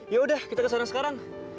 yaudah kita kesana sekarang